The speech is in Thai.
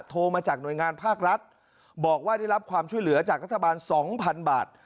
โทรมาจากหน่วยงานภาครัฐบอกว่าได้รับความช่วยเหลือจากรัฐบาล๒๐๐๐บาท